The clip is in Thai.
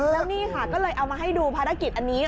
แล้วนี่ค่ะก็เลยเอามาให้ดูภารกิจอันนี้